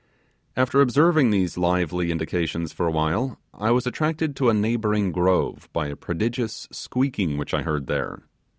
After observing these lively indications for a while, I was attracted to a neighbouring grove by a prodigious squeaking which I heard there.